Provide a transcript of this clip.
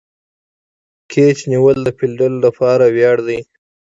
کېچ نیول د فیلډر له پاره ویاړ دئ.